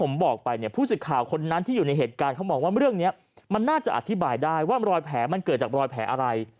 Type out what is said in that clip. มันเกิดจากรอยแผลอะไร